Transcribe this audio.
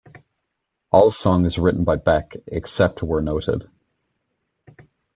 All songs written by Beck, except where noted.